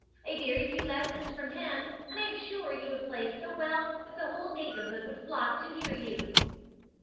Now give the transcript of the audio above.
A very few lessons from him, and I am sure you would play so well that the whole neighbourhood would flock to hear you!"